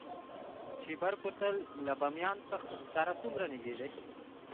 شیبر کوتل له بامیان سره څومره نږدې دی؟